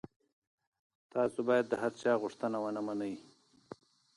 تاسي باید د هر چا غوښتنه ونه منئ.